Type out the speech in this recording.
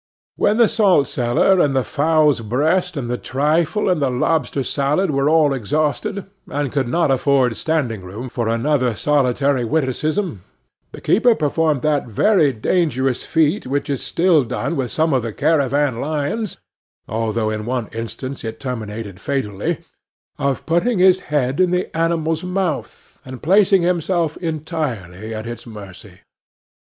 When the salt cellar, and the fowl's breast, and the trifle, and the lobster salad were all exhausted, and could not afford standing room for another solitary witticism, the keeper performed that very dangerous feat which is still done with some of the caravan lions, although in one instance it terminated fatally, of putting his head in the animal's mouth, and placing himself entirely at its mercy.